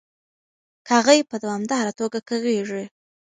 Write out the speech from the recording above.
کاغۍ په دوامداره توګه کغیږي.